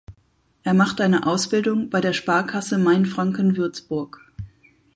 Er macht eine Ausbildung bei der Sparkasse Mainfranken Würzburg.